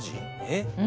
えっ？